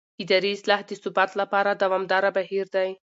اداري اصلاح د ثبات لپاره دوامداره بهیر دی